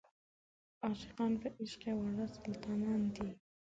عاشقان په عشق کې واړه سلطانان دي.